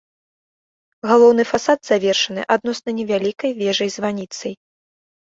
Галоўны фасад завершаны адносна невялікай вежай-званіцай.